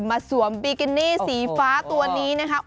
สวมบิกินี่สีฟ้าตัวนี้นะครับ